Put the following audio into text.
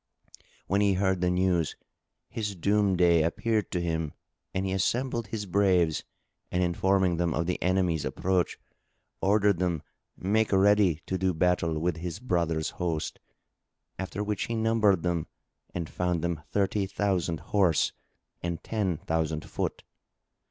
When he heard the news, his Doom day appeared to him and he assembled his braves and informing them of the enemy's approach ordered them make ready to do battle with his brother's host; after which he numbered them and found them thirty thousand horse and ten thousand foot.